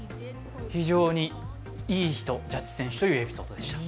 非常にいい人、ジャッジ選手というエピソードでした。